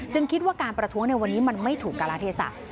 จึงคิดว่าการประท้วงในวันนี้มันไม่ถูกการาธิสัตว์